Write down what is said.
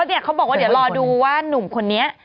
ที่ถามว่าเดี๋ยวรอดูว่าหนุ่มคนนี้